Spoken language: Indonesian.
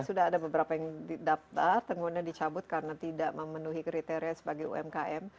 sudah ada beberapa yang didaftar tenggunnya dicabut karena tidak memenuhi kriteria sebagai umkm